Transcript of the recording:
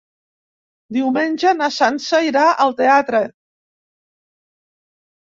Diumenge na Sança irà al teatre.